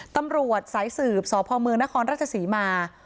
ตำรวจสายสืบสพมนรศมา